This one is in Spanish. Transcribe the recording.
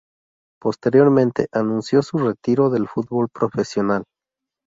Posteriormente, anunció su retiro del fútbol profesional.